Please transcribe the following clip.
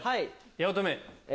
八乙女。